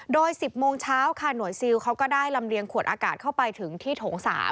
โดย๑๐โมงเช้าค่ะหน่วยซิลเขาก็ได้ลำเลียงขวดอากาศเข้าไปถึงที่โถง๓